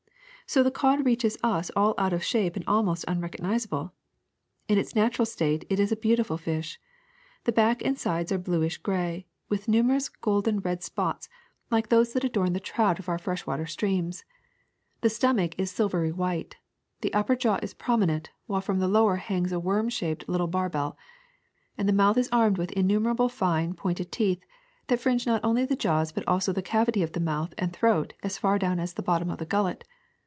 So the cod reaches us all out of shape and almost unrecognizable. In its natural state it is a beautiful fish. The back and sides are bluish gray, with numerous golden red spots like those that adorn 285 ^86 THE SECRET OF EVERYDAY THINGS the trout of our fresh water streams; the stomach is silvery white; the upper jaw is prominent, while from the lower hangs a worm shaped little barbel; and the mouth is armed with innumerable fine, pointed teeth that fringe not only the jaws but also the cavity of the mouth and throat as far down as the bottom of the gullet.